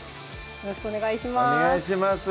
よろしくお願いします